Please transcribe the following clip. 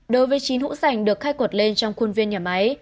đối với chín hũ sảnh được khai quật lên trong khuôn viên nhà máy